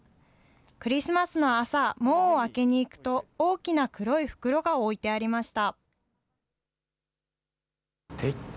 クリスマスの朝、門を開けに行くと、大きな黒い袋が置いてありました。